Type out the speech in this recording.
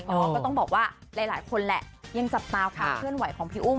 ก็ต้องบอกว่าหลายคนแหละยังจับตาความเคลื่อนไหวของพี่อุ้ม